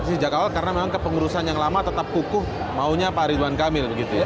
mengerti sejak awal karena memang kepengurusan yang lama tetap kukuh maunya pari duan kamil